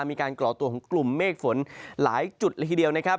ก่อตัวของกลุ่มเมฆฝนหลายจุดละทีเดียวนะครับ